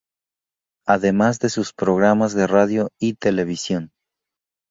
Además de sus programas de radio y televisión.